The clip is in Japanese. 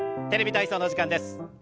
「テレビ体操」の時間です。